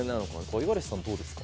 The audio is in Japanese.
五十嵐さんどうですか？